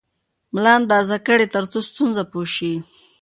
ملا اندازه کړئ ترڅو ستونزه پوه شئ.